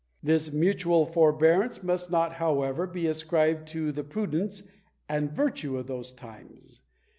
This mutual forbearance must not, however, be ascribed to the prudence and virtue of those times.